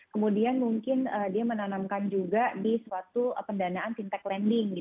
kemudian mungkin dia menanamkan juga di suatu pendanaan fintech lending